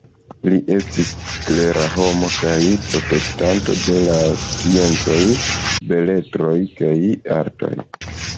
Li estis klera homo kaj protektanto de la sciencoj, beletroj kaj artoj.